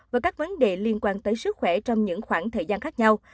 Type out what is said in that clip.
và các vấn đề liên quan tới sức khỏe trong những khoảng thời gian khác nhau